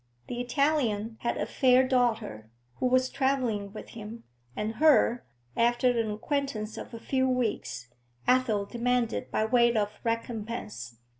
The Italian had a fair daughter, who was travelling with him, and her, after an acquaintance of a few weeks, Athel demanded by way of recompense.